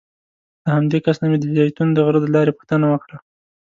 له همدې کس نه مې د زیتون د غره د لارې پوښتنه وکړه.